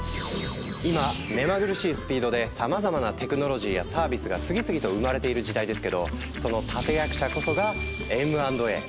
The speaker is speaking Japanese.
今目まぐるしいスピードでさまざまなテクノロジーやサービスが次々と生まれている時代ですけどその立て役者こそがＭ＆Ａ！